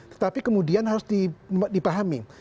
tetapi kemudian harus dipahami